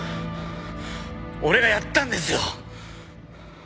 俺がやったんですよ！